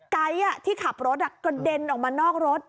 ไก๊ที่ขับรถกระเด็นออกมานอกรถ